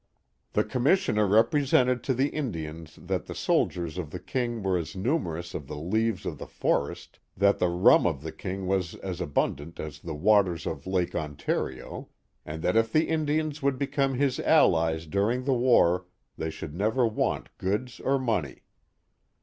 The commissioner represented to the Indians that the soldiers of the king were as numerous as the leaves of the forest, that the rum of the king was as abundant as the waters of Lake Ontario, and that if the Indians would become his allies during the war they should never want goods or money.